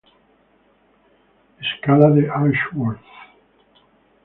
Escala de Ashworth